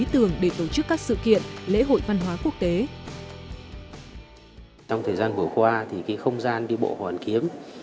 tôi thật sự thích đi qua đường quanh hồ hoàn kiếm